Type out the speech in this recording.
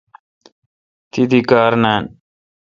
تی دی کار نان۔